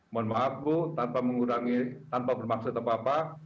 mohon maaf bu tanpa mengurangi tanpa bermaksud apa apa